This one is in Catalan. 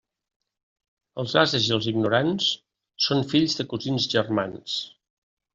Els ases i els ignorants són fills de cosins germans.